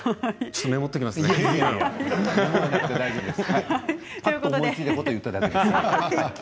ちょっとメモっておきます。